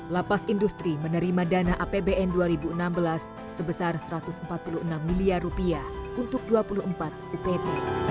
lapas industri menerima dana apbn dua ribu enam belas sebesar rp satu ratus empat puluh enam miliar untuk dua puluh empat upt